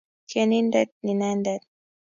Tienindet inenedet